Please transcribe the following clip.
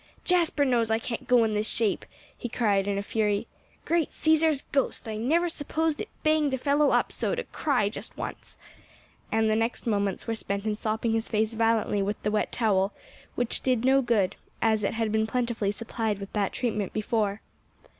"Jasper knows I can't go in this shape," he cried in a fury. "Great Cæsar's ghost! I never supposed it banged a fellow up so, to cry just once!" And the next moments were spent in sopping his face violently with the wet towel, which did no good, as it had been plentifully supplied with that treatment before.